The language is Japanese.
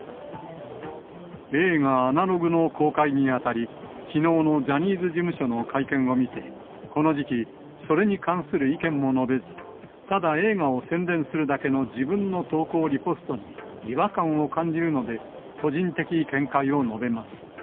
映画、アナログの公開に当たり、きのうのジャニーズ事務所の会見を見て、この時期、それに関する意見も述べず、ただ映画を宣伝するだけの自分の投稿リポストに違和感を感じるので、個人的見解を述べます。